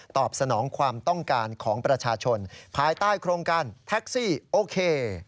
สนองความต้องการของประชาชนภายใต้โครงการแท็กซี่โอเค